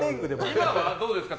今はどうですか？